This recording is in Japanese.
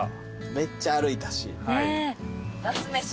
めっちゃ歩いたし。